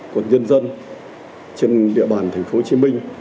của nhân dân trên địa bàn thành phố hồ chí minh